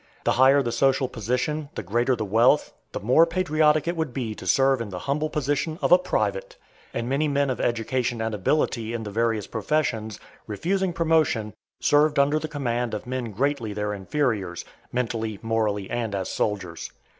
The higher the social position, the greater the wealth, the more patriotic it would be to serve in the humble position of a private; and many men of education and ability in the various professions, refusing promotion, served under the command of men greatly their inferiors, mentally, morally, and as soldiers.